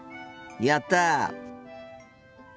やった！